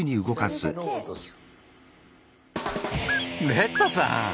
レッドさん！